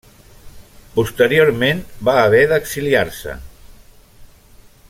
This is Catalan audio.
Posteriorment va haver d'exiliar-se.